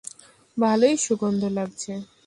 ভালোই সুগন্ধ লাগছে।